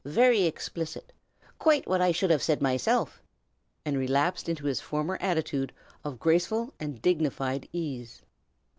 very explicit. Quite what I should have said myself!" and relapsed into his former attitude of graceful and dignified ease.